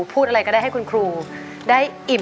เพลงที่๖นะครับ